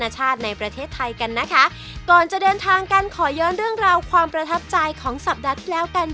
จนได้เป็นสูตรของตัวเอง